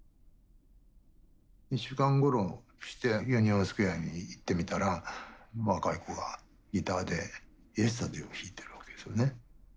１週間ごろしてユニオンスクエアに行ってみたら若い子がギターで「イエスタデイ」を弾いてるわけですよね。